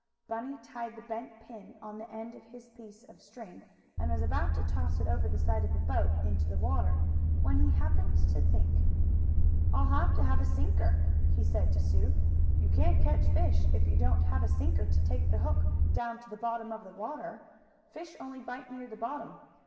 Bunny tied the bent pin on the end of his piece of string and was about to toss it over the side of the boat into the water when he happened to think. "I'll have to have a sinker," he said to Sue. "You can't catch fish if you don't have a sinker to take the hook down to the bottom of the water. Fish only bite near the bottom.